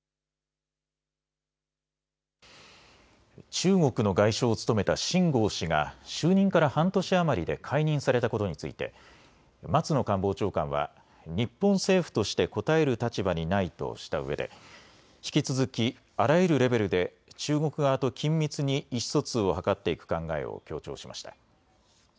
中国の外相を務めた秦剛氏が就任から半年余りで解任されたことについて松野官房長官は日本政府として答える立場にないとしたうえで引き続きあらゆるレベルで中国側と緊密に意思疎通を図っていく考えを強調しました。